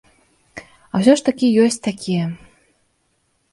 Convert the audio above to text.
А ўсё ж такі ёсць такія.